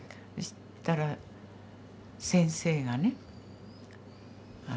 そしたら先生がね